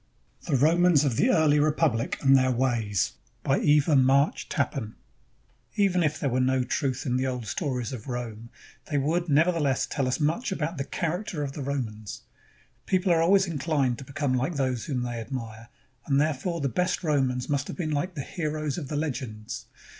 THE ROMANS OF THE EARLY REPUBLIC AND THEIR WAYS BY EVA MARCH TAPPAN Even if there were no truth in the old stories of Rome, they would, nevertheless, tell us much about the charac ter of the Romans. People are always inclined to become like those whom they admire, and therefore the best Romans must have been Hke the heroes of the legends.